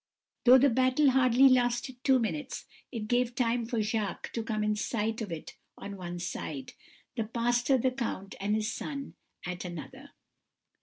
Though the battle hardly lasted two minutes, it gave time for Jacques to come in sight of it on one side; the pastor, the count, and his son at another.